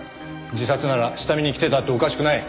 自殺なら下見に来てたっておかしくない。